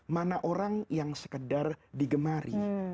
mana orang yang sekedar digemari